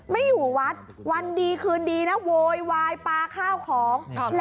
ไม่อยู่วัดวันดีคืนดีนะโวยวายปลาข้าวของ